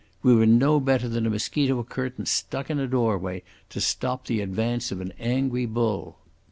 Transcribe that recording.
We were no better than a mosquito curtain stuck in a doorway to stop the advance of an angry bull.